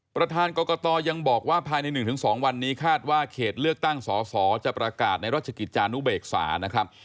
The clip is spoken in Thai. ประธานกรกตยังบอกว่าภายใน๑๒วันนี้คาดว่าเขตเลือกตั้งสอสอจะประกาศในราชกิจจานุเบกษานะครับ